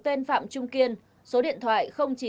tên phạm trung kiên số điện thoại